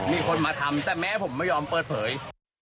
มีคนมาทำแต่แม่ผมไม่ยอมเปิดเผย